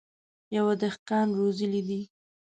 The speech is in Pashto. يوه دهقان روزلي دي.